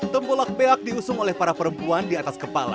tembolak beak diusung oleh para perempuan di atas kepala